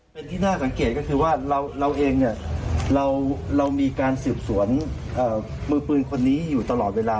เป็นที่น่าสังเกตก็คือว่าเราเองเนี่ยเรามีการสืบสวนมือปืนคนนี้อยู่ตลอดเวลา